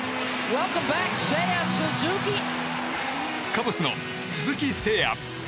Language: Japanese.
カブスの鈴木誠也。